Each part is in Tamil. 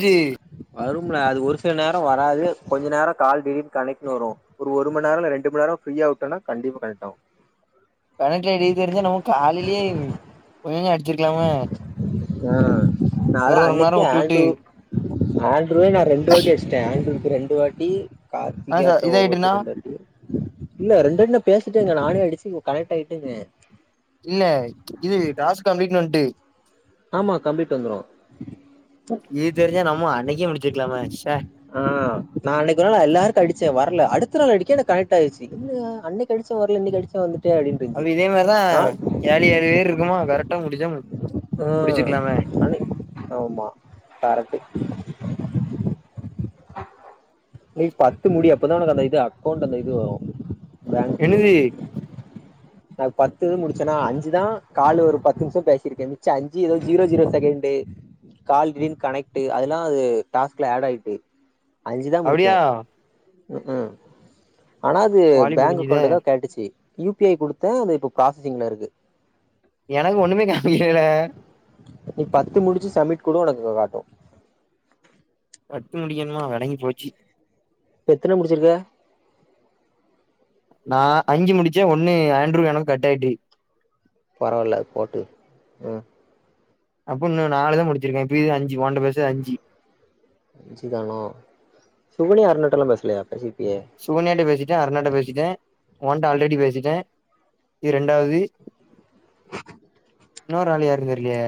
ஜு வரும்ல அது ஒரு சில நேரோ வராது கொஞ்ச நேரோ கால் திடீனு கணக்ட்டுனு வரு ஒரு ஒருமண் நேரோ இல்ல ரெண்டுமண் நேரோ ஃரீயாவுட்டோனா கண்டிப்பா கனெக்ட் ஆவு கணக்ட்டுல எப்டி தெரிஞ்சா நம்ம காலைலயே ஒழுங்க அடிச்சிருக்லாம்ல ஆ நாதா மண் நேரோ அன்னிக்கே விட்டு விட்டு ஆன்டி ஆண்ட்ருவாய் நா ரெண்டு வாட்டி அடிச்சுட்டே ஆண்டருக்கு ரெண்டு வாட்டி ஆ சார் கார்த்திகாட்ட இதாயிட்டுன்னா ஒருவாட்டி ரெண்டுவாட்டி இல்ல ரெண்டுவாட்டி நா பேசிட்டேருந்த நானு அடிச்சு கனெக்ட் ஆய்டுருந்த இல்ல இது டாஸ்க் கம்ப்ளீட்னு வன்ட்டு ஆமா கம்ப்ளீட் வந்துரு இது தெரிஞ்சா நம்ம அன்னிக்கே முடிச்சுர்கலாம்ல ச ஆ நா அன்னிக்குலா நா எல்லாருக் அடிச்சே வரல அடுத்த நாள் அடிக்க எனக் கனெக்ட் ஆய்ர்ச்சு என்னயா அன்னிக்கு அடிச்ச வரல இன்னிக்கு அடிச்சா வந்துட்டு அப்டின் அப்ப இருன்ச்சு இதே மாரிதா நா ஏழு ஏழு பேர் இருக்குமா கரெக்டா முடிச்ச மு அ ஆமா கரெக்டு போய் கட்டி முடி அப்பதா உனக்கு அந்த இது அக்கௌண்ட் அந்த இது வரு பேங்க்கு என்னது நா பத்து இது முடிச்சனா அஞ்சுதா காலு ஒரு பத்து நிம்ஷோ பேசிருக்கே மிச்சோ அஞ்சு எதோ zero zero second call didn't connect அதல்லா அது டாஸ்குல ஆட் ஆயிட்டு அஞ்சுதா முடிச்சே அப்டியா ம் ம் ஆனா அது வாலி பேங்க் முடிஞ்சுதே அக்கௌண்ட்டுதா காட்டுச்சு யூ பி ஐ குடுத்தே அது இப்ப ப்ராசசிங்ல இருக்கு எனக்கு ஒன்னுமே காமிக்கலடா நீ பத்து முடிச்சு சம்மிட் குடு உனக்கு அங்க காட்டு பத்து முடிகணுமா வெளங்கி போச்சு இப்ப எத்தன முடிச்சுருக்க நா அஞ்சி முடிச்சே ஒன்னு ஆண்ரி நானு கட் ஆய்ட்டு பரவால்ல போட்டு ம் அப்ப நா நாலுதா முடிச்சுருக்க இப்ப இது அஞ்சு ஒன்ட பச அஞ்சி அஞ்சுதானா சுகன்யா அருனாட்டலா பேசலயா பேசிருப்பியே சுகன்யாட்ட பேசிட்டே அருனாட்ட பேசிட்டே ஒன்ட ஆல்ரெடி பேசிட்டே இது ரெண்டாவது இன்னோரு ஆளு யாருன் தெர்லயே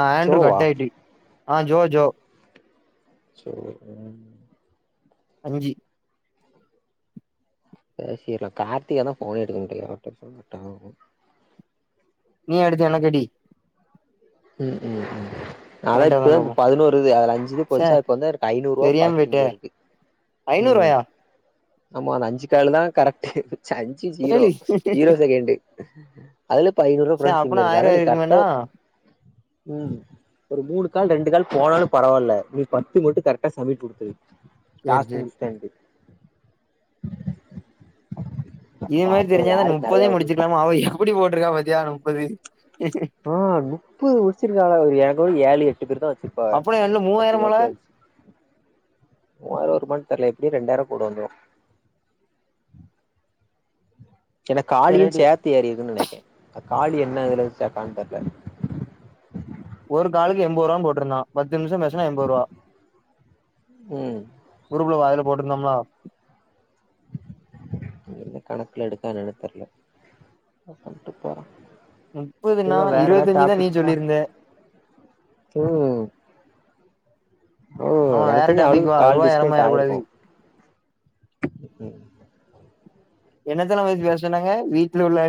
ஆ ஆண்ட்ரு சோவா? கட் ஆய்ட்டு ஆ ஜோ ஜோ சேரி ம் அஞ்சி அ சேர்ரா கார்த்திகாதா போனே எடுக்க மாட்ரா அவட்ட சொன்னா கட்டாருக்கு நீ எடுத்து எனக்கடி ம் ம் ம் அத்தா பன்னெண்டாவதான் இப்பதா இப்ப பாப்போ பதனோரு இது அதுல அஞ்சு இது சே போச்சா இப்போ வந்து எனக்கு ஐனூறுவா ப்ராசஸிங்ல இருக்கு ம் ஐனூறுவாயா ஆமா அது அஞ்சு கால்தா கரெக்டு இருன்ச்சு சி ஜீரோ ஏழு ஜீரோ செகண்டு அதுல இப்ப ஐநூறுவா சே அப்பனா ப்ராசசிங்லருக்கு அத ஆயிரூவா நீ கரெக்டா இருக்குமேண்ணா ம் ஒரு மூணு கால் ரெண்டு கால் போனாலும் பரவால்ல நீ பத்து மட்டும் கரெக்டா சமிட் குடுத்துரு சேரி டாஸ்க் சேரி முடிச்சிடன்டு இது மாதிரி பாப்போ தெரிஞ்சாதான் யாருக்கு நெறையா முப்பதையும் வருது முடிச்சுக்கலாமா அவ எப்படி போட்டிருக்கா பாத்தியா முப்பது ஆ முப்பது முடிச்சிருக்கா பாரு என்கூட ஏழு எட்டு பேரு தான் வச்சிரு அப்புறம் என்ன மூவாயிரம் ஆ ல மூவாயிரம் ரூபாய்க்கு தரல எப்டியு‌ம் ரண்டாயிரம் கூட வந்துரும் ஏனா சேரி காலியும் ரைட்டு சேத்து ஏறி இருக்கும்ன்னு நெனைக்கிறேன் காலி என்ன இதுல சேக்கான்னு தெரில ஒரு காளுக்குக்கு என்பது ரூபான்னு போட்ருந்தான் பத்து நிமிஷம் பேசினா என்பது ரூபா ம் உருப்ல வாயில போட்டிருந்தோம்னா கணக்குல எடுக்கான்னுனு தெரில என்னமோ பண்ணிட்டு போறான் சரி முப்பதுன்னா வா வேற ஏதா இருவத்தஞ்சுதா நீ டாபிக் ஆ சொல்லிருந்த ஓ ஆமா எனக்கு வேற தெரிஞ்சி டாபிக் வா அவளுக்கு கால் ரூவா டிஸ்கனெக்ட் ஏறமாயிரக்கூடாது ஆயிருக்கும் என்னத்தல்லாம் வ பேச சொன்னாங்க வீட்டுல உள்ள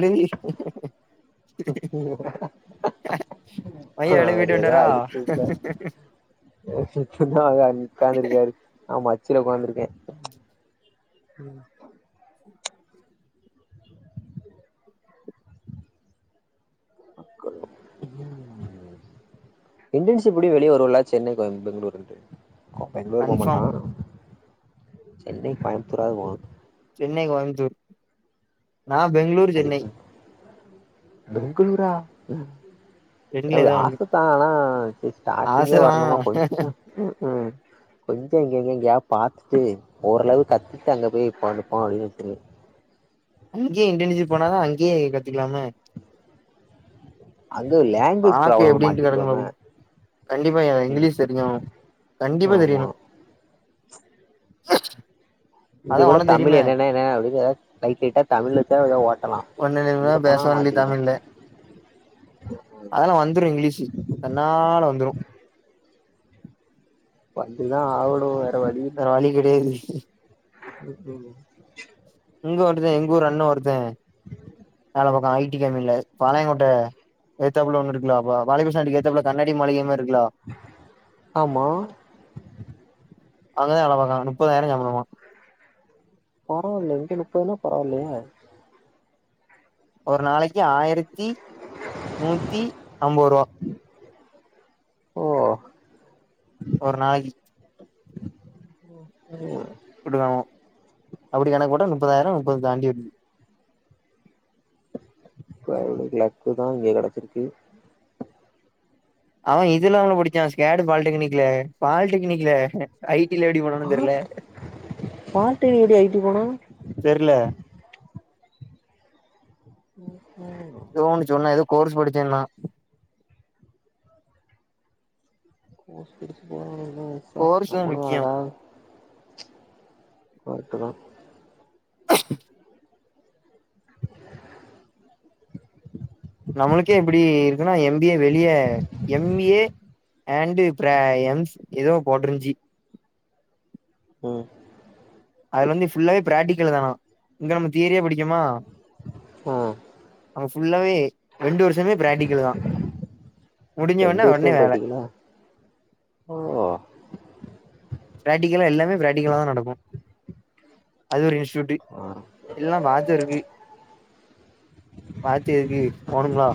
ஐயா ஆஹ வேலைக்கு போயிட்டு ஏதா வன்ட்டாரா அடிச்சு விடுத உட்கார்ந்துருக்காரு ஆமா உச்சில உட்கார்ந்துருக்கேன் இண்டன்சிப்டி வெளியே வருவல சென்னை பெங்களூருன்ட்டு பெங்களூர் போக கன்ஃபார்ம் மாட்டான் சென்னை கோயம்புத்தூராது போவான் சென்னை கோயம்புத்தூர் நான் பெங்களூர் அது சென்னை இப்ப பெங்களூரா ரெண்டுல அது ஏதோ ஒண்ணு ஆச ஆனா ஸ்டார்ட்டிங்கே ஆசதா வரணுமா கொஞ்சம் ம் ம் கொஞ்சம் எங்க எங்க எங்கயா பார்த்துட்டு ஓரளவு கத்துட்டு அங்கே போய் உட்கார்ந்துபோம் அப்படின்னு வச்சரு அங்கேயே இன்டர்ன்சிப் போனாதா அங்கேயே கத்துக்கலாம அங்க லாங்குவேஜ் பாக்கு ப்ராப்ளம் எப்டின்ட்டு கெடக்கு மாட்டிக்கோம பாப்போ கண்டிப்பா ஏ இங்கிலீஷ் தெரியும் கண்டிப்பா ஆமா தெரியணும் ச இங்க கூட தமிழ் என்னென்ன என்ன அப்படி லைட் லைட்டா தமிழில் தே ஏதாவாக ஓட்டலாம் ஒன்னு அங்கே போனால் பேசவன்லி மாட்டிக்கும் அதெல்லாம் வந்துடும் இங்கிலீஷ் தன்னால வந்துடும் வந்து தான் ஆகனும் வேர வழி வேற இல்ல கெடையாது இங்க வருதுன் எங்க ஊர் அண்ணன் வருதுேன் வோல ம் பக்கம்ய க பாளையங்கட்ட ஏத்தா ஒ இருா பாலிருஷ்ணாக்கு ஏத்த கண்ணடி மாளிகை இருக்கலா ஆமா அங்கே அள பக்கான் முப்பதாயம்மா பரவாயில்ல இங்க முப்பதுனா பரவில்லையா ஒரு நாளைக்கு ஆயிரத்தி நூத்தி ஐம்பது ரூபா ஓ ஒரு நாளக்கி உ கொட்டுக்கணோம் அப்படி கணக்கு போட்டா முப்பதாயிரம் முப்பது தாண்டி வருது லக்கு தான் இங்கே கிடச்சிருக்கு அவன் இதெல்லாம் தான் படிச்சான் ஸ்கேடு பாலிடெக்னிக்ல பாலிடெக்னிக்ல ஐ டிி ல எப்டி பண்ணனு தெர்ல பால் பால்டெக்னிக் எப்டி ஐ டி போனா தெர்ல ம் எதோ ஒன்னு சொன்னா ஏதோ கோர்ஸ் படிச்சேன்னா கோர்ஸ் தா முக்கியோ [unintelligible] வருத்தமா அஹ நம்மளுக்கே இப்டி இருக்குன்னா எம் பி ஏ வெளிய எம் ஏ அண்டு் ப்ரையஎம்ஸ் ஏதோ போட்ருந்சி ம் அதுல வந்து ஃபுல்லாவே பிராக்டிகல்ல தானா இங்க நம்ம தியரியா படிக்குமா ஓ அவங்க ஃபுல்லாவே ரெண்டு வருஷமே பிராக்டிக்கல் தா முடிஞ்ச ரெண்டு ஒட்னே வருஷோ ஒடனே வேல பிராக்டிகலா ஓ பிராட்டிகலா எல்லாமே பிராட்டிகல்லாதா நடக்கு அது ஒரு டுடி இல்னா [unintelligible] பாத்தி எதுக்கு போனுமா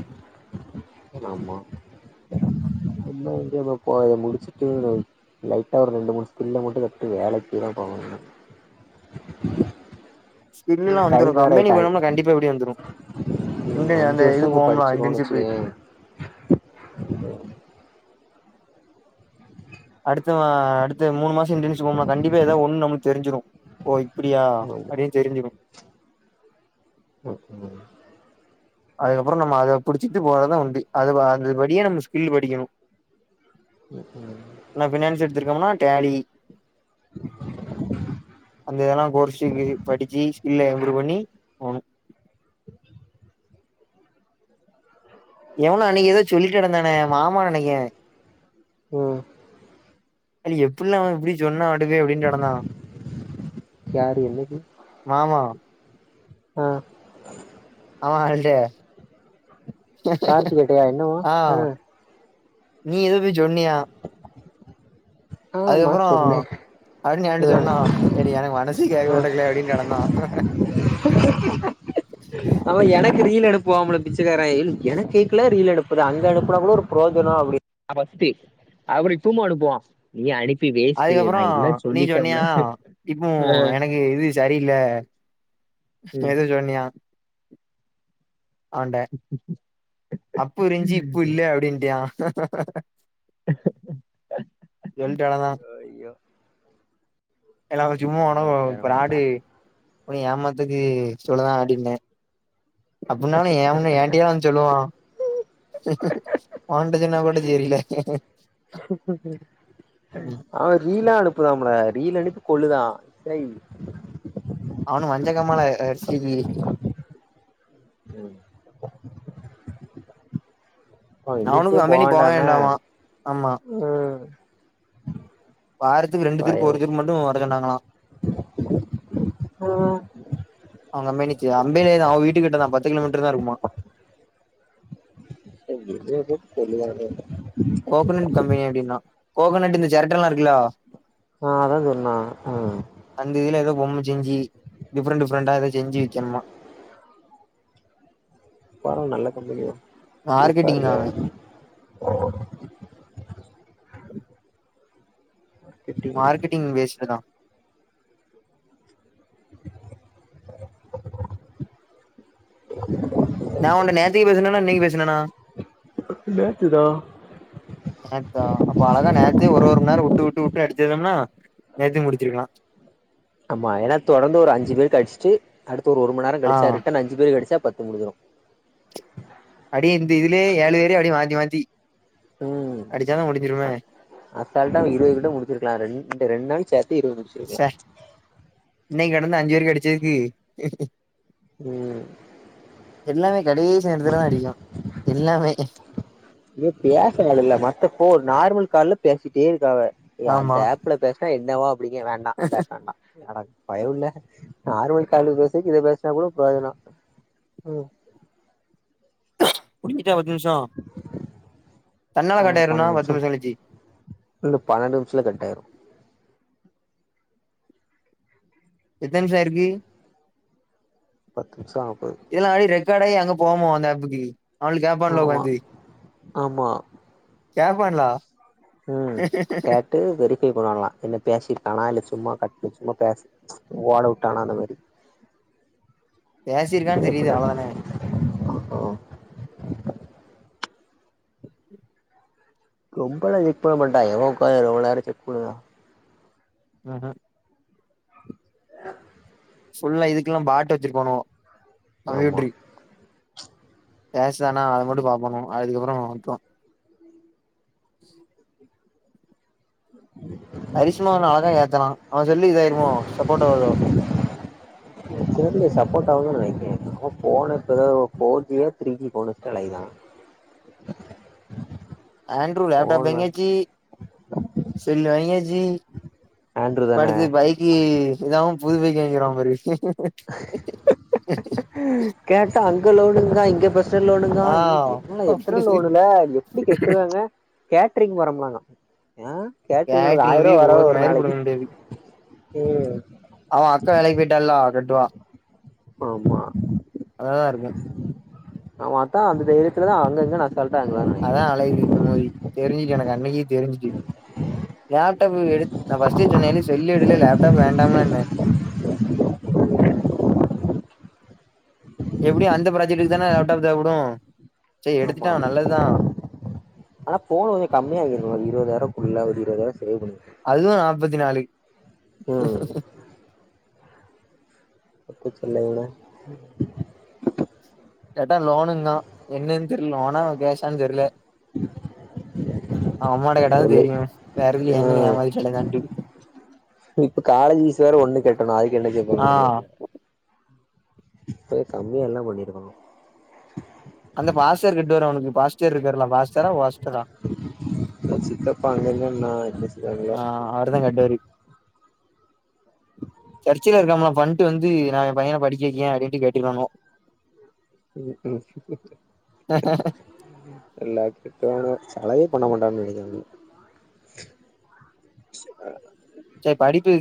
ஆமா இன்னு எங்கப்பபோ முடிச்சுட்டு லைட்டா ஒரு ரெண்டு மூணு ஸ்கில்ல மட்டு கத்து வேலைக்குதா போகணு ஸ்கில்லாம் டைம் வந்துரும் வேற கம்பனி ஆயிட்டாய் மூலமா கண்டிப்பா எப்டியு வந்துரு ம் இந்த அஞ்சு அந்த இது வருஷோ போம்லாம் இன்டன்ஷிப்பு அஹ அடுத்த அடுத்த மூணு மாசம் இன்டன்ஷிப் மூலமா கண்டிப்பா ஏதா ஒண்ணு நம்ளுக்கு தெரிஞ்சுரு ஓ இப்டியா ஆமா அப்டின்னு தெரிஞ்சுரு ஓகே அதுக்கப்புறம் நம்ம அத புடிச்சிட்டு போறதா உண்டு அது அதுபடியே நம்ம ஸ்கில் படிக்கணு ம் நா ஃபினான்ஸ் எடுத்துருக்கவன்லா டாலி அந்த இதெல்லாம் கோர்ஸுக்கு படிச்சு ஸ்கில்ல இம்ப்ரூவ் பண்ணி போணு எவனோ அன்னைக்கு ஏதோ சொல்லி கெடந்தானே மாமா நெனைக்கே ம் அது எப்புல்லா அவன் இப்டி சொன்னா அடுவே அப்டினு கெடந்தான் யாரு என்னிக்கு மாமா அ அவன் ஆள்ட கார்த்திகேட்டையா என்னவா ஆ நீ எதோ போய் சொன்னியா ஆமா சொன்னே அப்டின்னு என்ட்ட ஆ சொன்னா ஏன்டி எனக்கு மனசு கேக்க ஆ முட்டக்குல அப்டின்னு கெடந்தா அவன் எனக்கு ரீல் அனுப்புவாம்ல பிச்சக்கார எனக்கு ஏக்குல ரீல் அனுப்புர அங்க அனுப்புனா கூட ஒரு ப்ரோஜனம் அப்டினு [unintelligible] அப்டி துரும்ப அனுப்புவா நீ அனுப்பி வை அதுக்கப்பரோ நீ சொன்னியா இப்போ ஆ எனக்கு இது சரில்ல ம் எது சொன்னியா அவன்ட அப்ப இருஞ்சு இப்ப இல்ல அப்டின்ட்டியா டெல்ட்டால தா ஐயோ எல்லா சும்மா உன்ன அவ ப்ராடு பேரமண்டா உன்ன ஏமாத்துக்கு சொல்லதா அப்டின்னே அப்பின்னாலு ஏ என்டயே வந்து சொல்லுவா உன்ட சொன்னா கூட செரில அவன் ரீலா அனுப்புதான்பிள ரீல் அனுப்பி கொல்லுதான் அவன மஞ்சகாமாள [unintelligible] அ எந்துச்சே அவனுக்கு கம்பெனி போக போங்கண்டான வேண்டாமா ஆமா ம் வாரத்துக்கு ரெண்டு திருப்பு ஒரு திருப்பு மட்டு வர சொன்னாங்களா ஓ அவுங்க கம்பேனிக்கு கம்பெனி அவன் வீட்டுக்கிட்டதா பத்து கிலோமீட்டர்தா இருக்குமா [inaudible] சொல்லுவாங்க கோகோனட் கம்பெனி அப்படின்னா கோக்கனட் இந்த செரட்டல்லா இருக்குல்லா ஓ அதா சொன்னா ம் அந்த இதுல ஏதோ பொம்ம செஞ்சு டிஃபரெண்ட் டிஃபரண்டா அத செஞ்சு வைக்கணுமா பரவால்ல நல்ல கம்பெனிதா மார்க்கெட்டிங் தான் அவன் [unintelligible] இருக்கே மார்கெட்டிங் வேஸ்ட்டுதா நான் உன் நேத்தக்கு பேசுனண்ணா இன்னைக்கு பேசினனா நேத்துதா நேத்தா அப்போ அழகா நேரத்தே ஒருணி நேரம் விட்டு விட்டு விட்டு அடிச்சிருந்தோம்னா நேத்தே முடிச்சிருக்கலா ஆமா அதலா தொடர்ந்து ஒரு அஞ்சு பேர்க்கு அடிச்சிட்டு அடுத்து ஒரு ஒரு மணி நேரம் ஆ கழிச்சு ரிட்டன் அஞ்சு பேருகடிச்சா பத்து முடிஞ்சிடு அப்படியே இந்த இதுலயே ஏழு பேர அப்படியே மாத்தி மாத்தி ம் அடிச்சாதான் முடிஞ்சிருமே அசால்ட்டா அவன் இருபது கிட்ட முடிச்சிருக்கலா ரெ ரெண்டு நாள் சேர இருபது முடிச்சுருக்கலா இன்னை கடந்து அஞ்சு பேருக்கு அடிச்சதுக்கு ம் எல்லாமே கடைசி நேரத்துலதா அடிக்கு எல்லாமே ஏ பேசரது இல்ல மத்தப்போ நார்மல் கால்ல பேசிட்டே இருக்காவ அந்த ஆமா ஆப் ஆப்ல பேசுனா என்னவோ அப்படிங்க வேண்டா அந்த [unintelligible] பயபுல்ல நார்மல் கால்ல பேசுறதுக்கு இதுல பேசுனா கூட பிரயோஜன ம் முடிஞ்சுட்டா பத்து நிமிஷோ தன்னால கட் ஆயிரு என்ன பத்து நிமிஷ கழிச்சு இன்னு பன்னெண்டு நிமிஷத்துல கட்டாயிரு எத்த நிமிஷாயிருக்கு பத்து நிமிஷ ஆவ போது இதெல்லா அப்டி ரெக்கார்ட் ஆகி அங்க போமோ அந்த ஆப்புக்கு அவங்க கேப்பான்ல ஆமா உக்காந்து ஆமா கேப்பான்லா ம் காத் ட்டு வெரிஃபை பண்ணுவாங்களா என்ன பேசிருக்கானா இல்ல சும்மா [unintelligible] பேச ஓடவுட்டானா அந்த மாரி பேசியிருக்கான் இப்டி தெரியுது எப்டிலா அவ்ளோதான ரொம்பளா செக் பண்ண மாட்டான்வ எவ உக்காந்து ரொம்ப நேர செக் பண்ணுவா ம்ஹூம் ஆஹ ஃபுல்லா இதுக்கெல்லா பாட்டு வச்சிருக்கணு ஆமா கம்யூட்ரி பேசலனா அதை மட்டு [unintelligible] அதுக்கப்புற விட்ருவ [inaudible] அரிஷுமா அவன் அழகா ஏத்தலா அவன் சொல்லி இதாயிரமோ சப்போர்ட் ஆகுதோ எனக்கு தெர்ல சப்போ்ட் ஆவுதா நெனைக்கே போன இப்போத four ஜிய three G [unintelligible] Andrew laptop phone வந்து வாங்கியாச்சி செல்லு வாங்கியாச்சி ஆண்ட்ரு இப்ப தான அடுத்து பைக்கு ஏதாவவும் புது பைக்கு எங்கிருவா பாரு கேட்டா அங்க லோனுங்கறா இங்க ப எ லோனுங்கா ஆ எ என்னடா எத்தன லோனுல எப்டி கெட்டுவாங்க கேடரிங் வரமாங்கா எ கேட்ரிங்ல ஒரு கேட்ரிங் போய் ஆயரூவா வரு ஒரு மயிரு நாளைக்கு புடுங்க ம் அவன் அக்கா வேலைக்கு போயிட்டலோ கட்டுவான் ஆமா நல்லாதா இருக்கு அவ மட்டு அந்த தைரியத்துல தா அங்கங்கனு அசால்ட்டா இருக்காங்க அதா அலையுது இந்த மூதி தெரிஞ்சுட்டு எனக்கு அன்னைக்கே தெரிஞ்சுட்டு லேப்டாப் எடுத் நா ஃபஸ்ட்டே சொன்னே ஏலே செல்லு எடுல லேப்டாப் வேடாம்லன்ன எப்டியு அந்த ப்ராஜெக்டக்கு தான லேப்டாப் தேவப்படும் சரி ஆமா எடுத்துட்டான் நல்லதுதான் ஆனா போன் கொஞ்சோ கம்மியாகிருக்கலா இருவதாயிருவா குள்ள ஒரு இருவதாயிரோ சேவ் பண்ணி அதுவு நாப்பத்தி நாலு ம் தப்பிச்சல்லைங்க கேட்டா லோனுங்கா என்னன்னு தெர்ல லோனா கேஷான்னு தெர்ல அவ அம்மாட்ட கேட்டா தா சொல்லு தெரியும் வேறெதுலயு என்னன்ன ம் ஏமாதி கெடதான்ட்டு இப்ப காலேஜ் ஃபீஸ் வேற ஒண்ணு கட்டணும் அதுக்கு என்ன செய்ய ஆ போரனு தெர்ல கொஞ்ச கம்மியா எல்லாம் பண்ணிருக்கனு அந்த பாஸர் கட்டு வேர அவனுக்கு பாஸ்டர் இருக்கார்ல பாஸ்டரா வாஸ்டரா அ சித்தப்பா அங்கங்க ந பெஸ் ஆ அவரு தான் கட்டாரு சர்ச்சில இருக்காம்ல பண் டு வந்து நான் என் பையன படிக்கே வைக்கே அப்டின்டு கேட்டுக்கானுவோ ம் ம் எல்லா கிட்டும் சலயே பண்ண மாட்டான்னு நனைக்கர அ சேரி படிப்பு